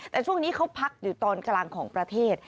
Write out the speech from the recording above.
แต่ช่วงนี้เขาพักอยู่ตอนกลางของประเทศ